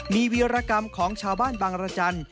มีวีรกรรมของชาวบ้านบางรจันทร์